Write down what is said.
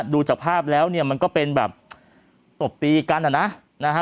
ดูจากภาพแล้วเนี่ยมันก็เป็นแบบตบตีกันอ่ะนะนะฮะ